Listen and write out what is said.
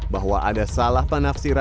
bahwa ada salah penafsiran